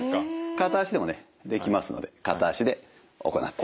片足でもねできますので片足で行っていくと。